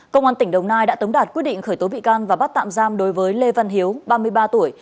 công an tỉnh đồng nai đã tống đạt quyết định khởi tố bị can và bắt tạm giam đối với lê văn hiếu ba mươi ba tuổi